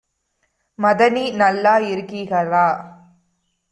மதனி நல்லா இருக்கீகளா?